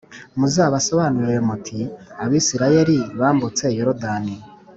muzabasobanurire muti Abisirayeli bambutse Yorodani